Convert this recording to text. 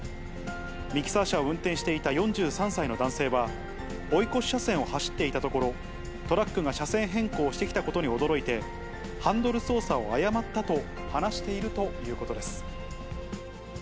ミキサー車を運転していた４３歳の男性は、追い越し車線を走っていたところ、トラックが車線変更してきたことに驚いて、ハンドル操作を誤ったと話しているということです。